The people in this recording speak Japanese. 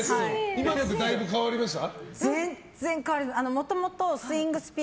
今のでだいぶ変わりました？